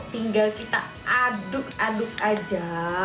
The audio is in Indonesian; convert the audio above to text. tinggal kita aduk aduk aja